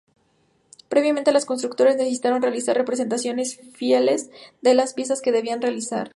Previamente los constructores necesitaron realizar representaciones fieles de las piezas que debían realizar.